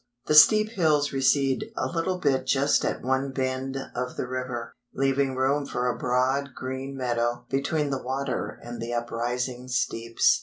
The steep hills recede a little bit just at one bend of the river, leaving room for a broad green meadow between the water and the uprising steeps.